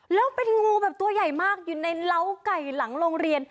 แล้วเป็นงูแบบตัวใหญ่มากอยู่ในเล้าไก่หลังโรงเรียน